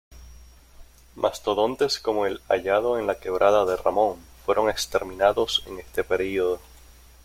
Mastodontes como el hallado en la Quebrada de Ramón fueron exterminados en este periodo.